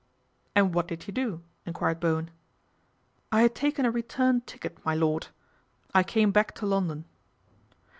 " And what did you do ?" enquired Bowen. " I had taken a return ticket, my lord. I came back to London."